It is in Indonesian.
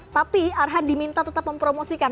tapi arhan diminta tetap mempromosikan